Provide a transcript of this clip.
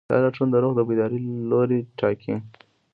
دا لټون د روح د بیدارۍ لوری ټاکي.